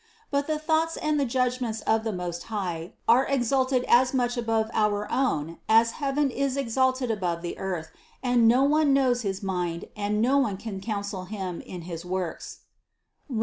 But the thoughts and the judgments of the Most High are ex alted as much above ouf own as heaven is exalted above the earth and no one knows his mind and no one can counsel Him in his works (Rom.